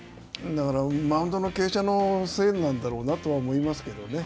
だから、マウンドの傾斜のせいなんだろうなとは思いますけどね。